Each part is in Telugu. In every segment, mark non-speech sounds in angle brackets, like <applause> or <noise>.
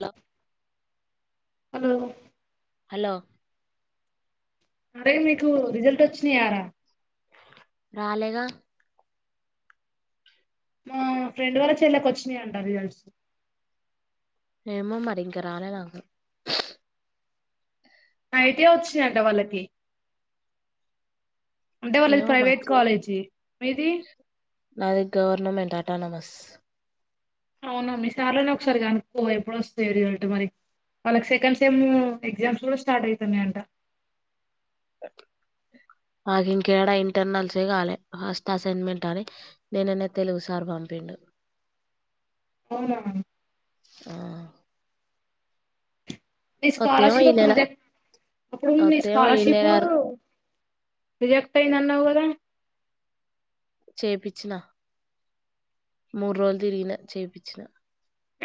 <unintelligible> హలో హలో అరేయ్ మీకు రిజల్ట్ వచ్చినాయార, రాలేగా మా ఫ్రెండ్ వాళ్ళ చెల్లకి వచ్చినాయంట రిజల్ట్, ఏమో మరి ఇంకా రాలే నాకు అయితే వచ్చినయట వాళ్ళకి, అంటే విళ్ళది ఏమో మరి ప్రైవేట్, కాలేజీ మీది నాది గవర్నమెంట్ అటానమస్ అవునా మీ సార్లోనే ఒకసారి కనుక్కో ఎప్పుడు వస్తాయి, రిజల్ట్ మరి వాళ్ళకి సెకండ్ సెమ్ ఎగ్జామ్స్ కూడా స్టార్ట్ అయితునాయంట, నాకు ఇంకేడా ఇంటర్నల్సే కాలే ఫస్ట్ అసైన్మెంట్ అని నిన్న నే తెలుగు సార్ పంపిండు, అవునా ఆ నీ వత్తేమో ఈ స్కాలర్షిప్ నెల రిజెక్ట్, ఇప్పుడు మీ వత్తేమో ఈ స్కాలర్షిప్ నెల రిజెక్ట్ అయినన్నావు కదా, చేపిచ్చిన మూడు రోజులు తిరిగిన చేపిచ్చిన,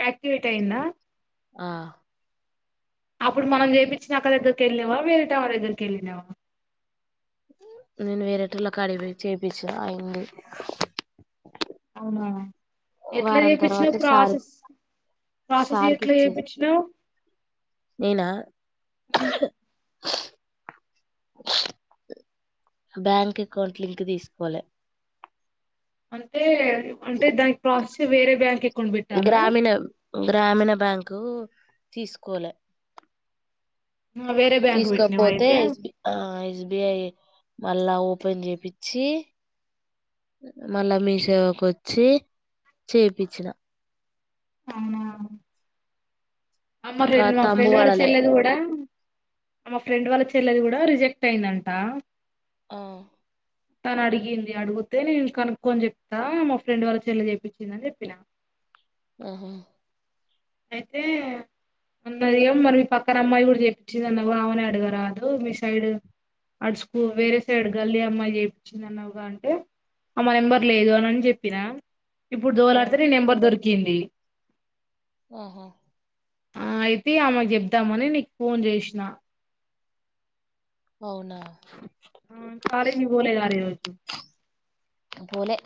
ఆక్టివేట్ అయిందా, ఆ అప్పుడు మనం చేపిచ్చిన అక్కదగ్గరికి వెళ్ళి నావా వేరేటమే దగ్గరికి వెళ్ళినావా, నేను వేరేటోళ్ళకాడికి పోయి చేపిచ్చిన అయ్యింది. అవునా ఎట్లా చేపించినా తర్వాత సార్ ప్రాసెస్ ప్రాసెస్ సార్కి ఎట్లా ఇచ్చి చేపించినావ్, నేనా హ్మ్ బ్యాంక్ అకౌంట్ లింక్ తీసుకోలే, అంటే అంటే దానికి ప్రాసెస్ వేరే బ్యాంక్ అకౌ గ్రామీణ గ్రామీణ బ్యాంక్ తీసుకోలే ఆ వేరే బ్యాంక్ పెట్టినవ తీసుకోపోతే అయితే S B, S B I మళ్ళా ఓపెన్ చేపిచ్చి, మళ్ళా మీసేవ కి వచ్చి చేపిచ్చిన, అవునా అమ్మ ఆ ఫ్రెం మా తంబు ఫ్రెండ్ వాల్ల పడలే చెల్లేది కూడా మా ఫ్రెండ్ వాళ్ళ చెల్లెది కూడా రిజెక్ట్ అయిందంట ఆ తను అడిగింది అడుగుతే నేను కనుక్కొని చెప్తా మా ఫ్రెండ్ వాళ్ళ చెల్లె చెప్పించింది అని చెప్పినా ఉహు అయితే అన్నది మరి మీ పక్కన అమ్మాయి కూడా చేపించింది అన్నవుగా ఆమెనే అడుగరాదు మీ సైడ్ అట్ స్క్ వేరే సైడ్ గల్లి అమ్మాయి చేపించింది అన్నవుగా అంటే ఆమె నెంబర్ లేదు అని చెప్పినా ఇప్పుడు ఆ దోలాడితే ని నెంబర్ దొరికింది ఉహ్ ఆ అయితే ఆమెకు చెప్దామని నీకు ఫోన్ చేసిన అవునా ఆ కాలేజీకి పోలేదారా ఈరోజు పోలే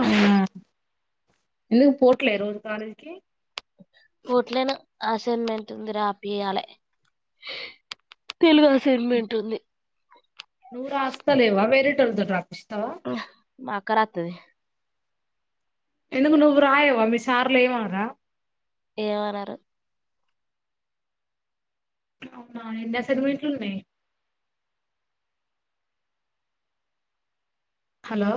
అ ఎందుకు పోట్లే రోజు కాలేజ్ కి పోట్లేను అసైన్మెంట్ ఉంది రాపియాలే తెలుగు అసెట్మెంట్ ఉంది నువ్ రాస్తలేవా వేరే టోల్తోని రాప్ స్తవా మాక్క రాత్తది ఎందుకు నువ్వు రాయవ మీ సార్లు ఏమనరా ఏమనరు అవునా ఎన్ని అసైన్మెంట్లు ఉన్నాయి హలో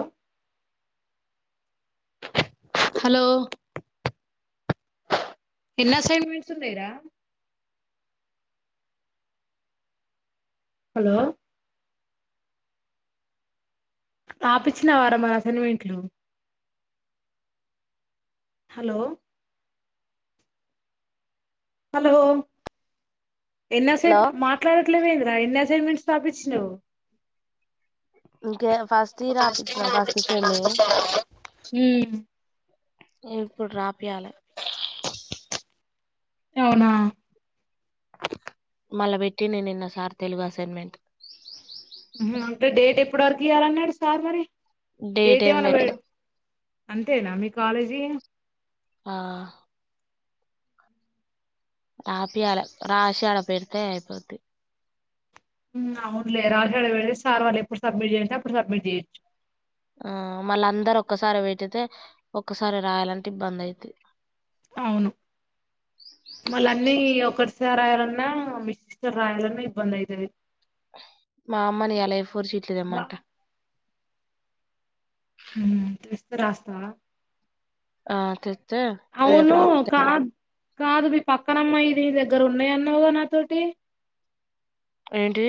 హలో ఎన్ని అసైన్మెంట్స్ ఉన్నాయిరా హలో రాపిచ్చినావరా మరి అసైన్మెంట్లు హలో హలో ఎన్ అసైన్ హలో మాట్లాడట్లేవెందిరా ఎన్ అసైన్ ట్స్ రాపిచినవ్ ఇంకా ఫస్టీయి రాపించిన ఫస్ట్ సెమ్ముయి ఉమ్ ఇప్పుడు రాపియాలె అవునా మళ్ళ పెట్టిండే నిన్న సార్ తెలుగు అసైన్మెంట్ అంటే డేట్ ఎప్పుటి వరకు ఇయ్యాలన్నాడు సార్ మరి డేట్ ఏం ఏమన్న వెట్ పెట్లే అంతేనా మీ కాలేజీ ఆ రాపియాలే రాశి ఆడ పెడితే అయిపోతది అవునులే రాశి ఆడ వేటేసి సార్ వాళ్ళు ఎప్పుడు సబ్మిట్ చేసే అప్పుడు సబ్మిట్ చేయొచ్చు ఆ మళ్ళ అందరు ఒక్కసారి పెట్టితే ఒక్కసారే రాయాలంటే ఇబ్బంది అయిద్దీ అవును మల్ల అన్నీ ఒకటిసారి రాయాలన్నా మి సిస్టర్ రాయాలన్నా ఇబ్బంది అయితది మా అమ్మని ఇయల ఫోర్ షీట్లు బా తేమంటా తెస్తే రాస్తావా ఆ రేపు అవును రాస్తా కాద్ కాదు మీ పక్కనమ్మాయి ఇది దగ్గర ఉన్నాయి అన్నావుగా నాతోటి ఏంటి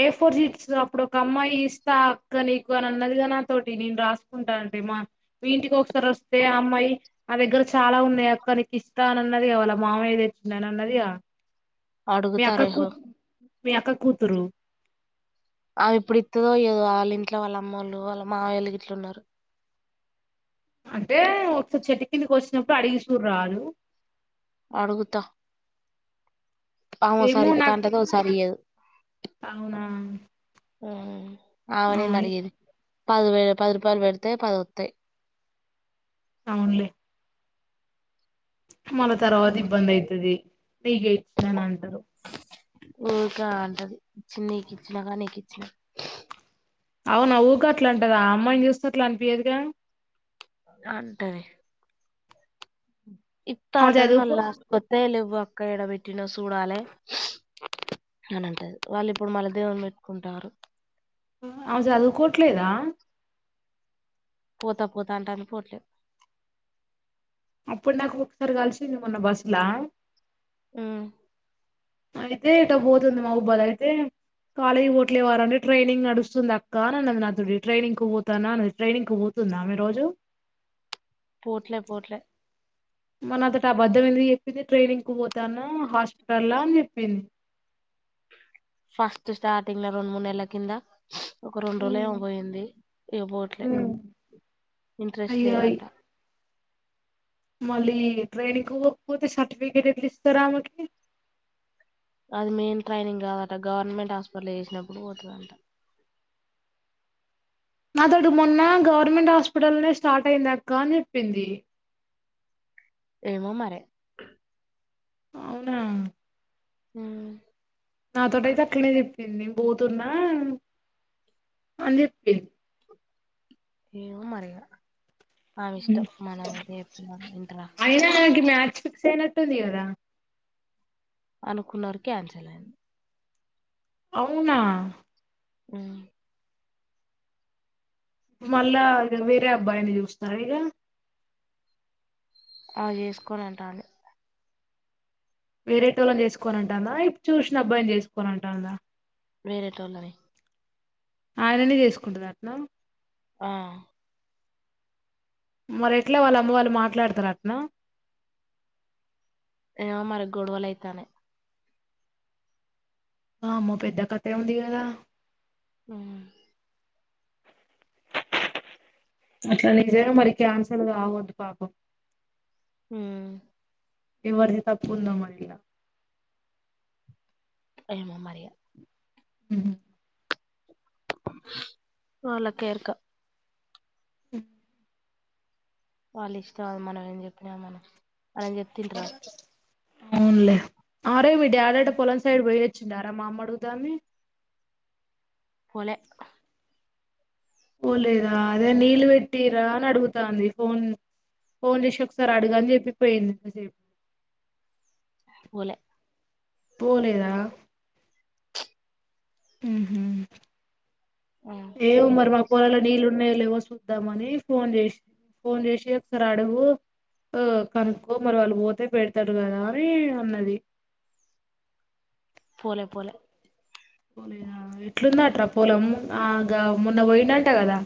ఏ ఫోర్ సీట్స్ అప్పుడు ఒక అమ్మాయి ఇస్తా అక్క నీకు అని అన్నదిగా నాతోటి నేను రాసుకుంటాను అంటే మా ఇంటికి ఒకసారి వస్తే ఆ అమ్మాయి నా దగ్గర చాలా ఉన్నాయి అక్క నీకు ఇస్తా అని అన్నది కావళ మా అమయ్య తెచున్నాయని అన్నదిగా మీ అక్క కూ అడుగుతారేహో మీ అక్క కూతురు అవి ఇప్పుడు ఇతుదోయ్యదు వాళ్ళ ఇంట్లో వాళ్ళ అమ్మ వాళ్ళు వాళ్ళ మావళ్ళ ఇట్లు ఉన్నారు అంటే ఒక చెట్టు కిందకి వచ్చినప్పుడు అడిగి చూరు రాదు అడుగుతా ఏమో ఆవుసారి ఇస్తా నాకు అంటాది ఒక సరి ఈయదు అవునా ఆ ఆ ఆమనెంది అడిగేది పది వే పది రూపాయలు పెడితే పది వతాయి అవునులే మళ తర్వాత ఇబ్బంది అవుతుది నగ ఇచ్చిన నా అంటారు ఓకా అంటది ఇచ్చింది నీకు ఇచ్చినాక నీకు ఇచ్చినా అవునా ఊగా అట్లా అంటది ఆ అమ్మాయిని చూస్తున్నట్లా అనిపించదుగా అంటది ఇత్తా ఆమె అంటది మళ్ళీ చదువుకో లాస్ట్ కి వతి లెవ్వు నువ ఒక్క ఎడ పెట్టిన చూడాలి అని అంటది వాళ్ళు ఇప్పుడు మళ్ళీ దేవుని పెట్టుకుంటారు అమే చదువుకోవట్లేదా పోతా పోతా అంటాని పోట్లేదు అప్పుడు నాకు ఒకసారి కలిసింది మొన్న బస్సులా ఆహ అయితే పోతుంది మా బుబ్బది అయితే కాలేజీ పోట్లేవారుంటే ట్రైనింగ్ నడుస్తుంది అక్క అని అన్నది నాదుడి ట్రైనింగ్ కు పోతానా అన్నది ట్రైనింగ్ కు పోతుందా మీ రోజు పోట్లే పోట్లే మన అతట అబద్ధమంది చెప్పింది ట్రైనింగ్ కు పోతాను హాస్పిటల్ అని చెప్పింది ఫస్ట్ స్టార్టింగ్ల రెండు మూడు నెల్ల కింద ఒక రెండు రోజులేమ పోయింది ఇగ పోవట్లే ఉమ్. ఇంట్రెస్ట్ అయ్యో లేదంట మళ్ళీ ట్రైనింగ్కపోతే సర్టిఫికెట్ ఎట్లు ఇస్తారామెకి అది మెయిన్ ట్రైనింగ్ కాదట గవర్నమెంట్ హాస్పిటల్ చేసినప్పుడు పోతాడట నా అతడు మొన్న గవర్నమెంట్ హాస్పిటల్నే స్టార్ట్ అయింది అక్క అని చెప్పింది ఏమో మరీ అవునా హహ నాతోట అయితే అట్లనే చెప్పింది నేను పోతున్నా అని చెప్పింది ఏమో మరి ఇగ ఆమె ఇష్టం మనం ఎంత చేపిన వింటారా కుంటుంది కదా అనుకున్నరికి క్యాన్సల్ అయింది అవునా మ్మ్ ఇప్పుడు మళ్ళా వేరే అబ్బాయిని చూస్తున్నారా ఇక ఆ చేసుకోను అంటుండు వేరే టోళని చేసుకోనంటాందా ఇప్పుడు చూసిన అబ్బాయిని చేసుకోనంటాందా వేరేటోళ్ళని ఆయననే చేసుకుంటదంటనా ఆహ మరి ఎట్లా వాళ్ళు అమ్మ వాళ్ళు మాట్లాడతారు అటనా ఆ మరే గొడవలయితాన్నాయ్ ఆమో పెద్ద కథ ఉంది కదా ఆహ అట్లా నిజ మరి క్యాన్సల్ కావద్దు పాపం మ్మ్ ఎవరిది తప్పుందో మరి ఇలా ఏమో మరిగా హ వాళకేర్క అహ వాళ్ళు ఇష్టం మనం ఏం చెప్పినా మనం ఆలకి చెప్తే ఇంటరా అవునులే ఆరే మీ డాడీ అంట పొలం సైడ్ పోయి చిన్నార మామడుుతామే పోలేె పోలేదా అదే నీళ్ళు పెట్టిరా అని అడుగుతాంది ఫోన్ ఫోన్ చేసి ఒకసారి అడుగాని చెప్పిపోయింది కాసేపు పోలే పోలేదా హ్మ్మ్ ఉమ్ ఏ ఉ మరి మా పాలలో నీళ్ళ ఉన్నాయి లేవో చూద్దామని ఫోన్ చేసి ఫోన్ చేసి ఒకసారి అడుగు ఆ కనుక్కో మరి వాళ్ళు పోతే పెడతారు కదా అని అన్నది పోలే పోలే ఎట్లు ఉంది ఆ ట్రా పొలం ఆగా మొన్న పోయిందట కదా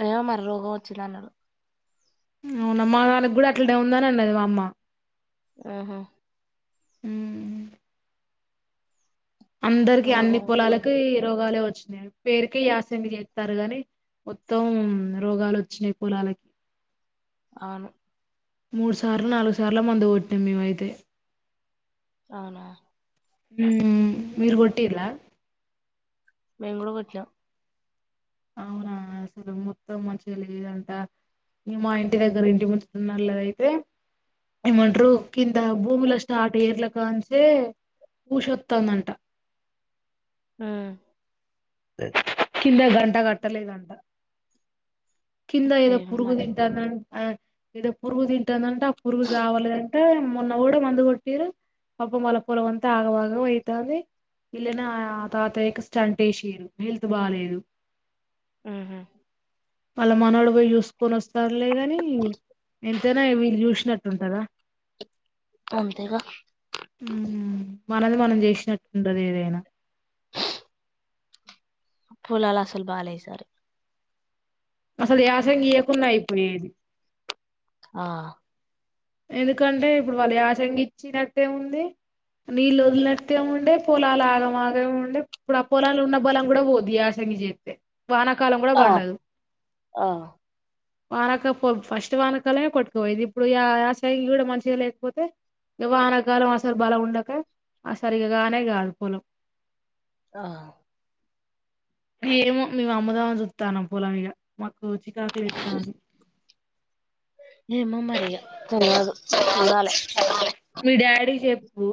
అయ్యో మరి రోగం వచ్చింది అన్నారు అవునమ్మా దానికి కూడా అట్లాడే ఉందని అన్నది మా అమ్మ ఆహా మ్మ్ అందరికి అన్ని రోగం పొలాలకి వచ్చిందని రోగాలే వచ్చు పేరుకే యాసంగ చేస్తారు గాని మొత్తం రోగాలు వచ్చినాయి పొలాలకి అవును మూడు సార్లు నాలుగు సార్ల మందు కొట్టి మేముయితే అవునా హ్మ్ మీరు కొట్టిలా మేము కూడా కొట్టినమ్ అవునా అసలు మొత్తం మంచిగాలేదంట మా ఇంటి దగ్గర ఇంటి ఉనోళ్లు అయితే ఏమంటారు కింద భూమిలో స్టార్ట్ ఎర్ల కాంచే ఉషోతాంది అంట ఆ కింద గంట కట్టలేదు అంటా కింద ఏదో ఏమో పురుగు మరి తింటాంది అన్ ఏదో పురుగు తింటాంది అన్ ట పురుగు చావలే అం మొన్న కూడా మందు కొట్టిరు పాపం వల్ల పొలం అంత ఆగమగం అయితంది ఇల్నే ఆ తాతయ్య కి స్టంట్ ఎష్ హిరూ హెల్త్ బాలేదు హ్మ్ హు వాళ్ళ మనవడు పోయి చూసుకొని వస్తార్ లేద ని ఎంతైనా వీళ్ళు చూసినట్టుంటదా అంతేగా ఉమ్, మనది మనం చేసినట్టు ఉంటది ఏదైనా పొలాలు అసలు బాలే ఈ సారి అసలు యాసంగి ఇయకుంన్నాయి ఇప్పుడు ఇది ఆ ఎందుకంటే ఇప్పుడు వాళ్ళ యాసంగి ఇచ్చినట్టే ఉంది నీళ్ళు వదిలినట్టే ఉండే పొలాలు ఆగమాగం ఉండే ఇప్పుడు ఆ పొలాలు ఉన్న బలం కూడా పోద్ది ఆయాసంగి చేస్తే వానాకాలం కూడా ఆ పండదు ఆ వానక ఫస్ట్ వానకాల కొట్టుపోయి ఇప్పుడు యా చైలు కూడా మంచిగా లేకపోతే ఈ వానకాలం ఆసలు బల ఉండక ఆ సరిగానే కాదు పోలం ఆ ఏమో మేము అమ్ముదాం చూతానం పొలం ఇగా మా రోచికాకు లేతాంది ఏమో మరి ఇగా తెల్వదు చూడాలి మీ డాడీ కి చెప్పు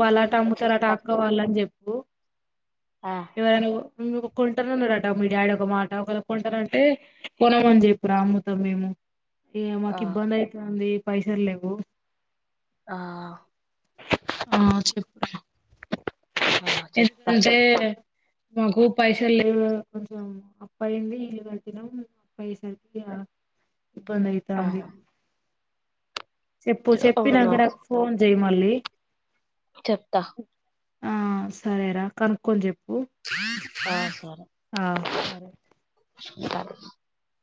వాళ్ళు అట అమ్ముతార అట చెప్తా అక్కవాల అని చెప్ ఓ ఆ ఎవరు నువ్వు ఇంగోకా కొంటను అన్నాడట మీ డాడీ ఒక మాట ఒక వేలా కొంటను అంటే కొనమని చెప్పు రా అమ్ముతాం మేము ఆ ఏమకి ఇబ్బంది అయితాంది పైసలు లేవు ఆ ఆ చెప్పు ఆ చెప్తా ఎందంటే మాకు పైసలు లేవు కొంచెం అప్పుయైంది ఇల్లు కడుతున్నాం పైసల్ కి ఆ ఇబ్బంది అయితందీ ఆహా చెప్పు చెప్పి నాక అవునా నాకు ఫోన్ చేయి మళి చెప్తా ఆ సరేరా కనుక్కొని చెప్ ఆ ఆహా ఆ సరే స